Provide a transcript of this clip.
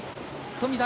富田